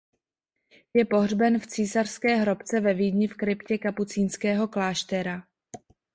Je pohřben v Císařské hrobce ve Vídni v kryptě kapucínského kláštera.